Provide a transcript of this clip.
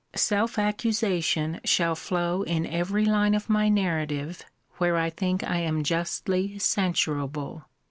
Self accusation shall flow in every line of my narrative where I think I am justly censurable.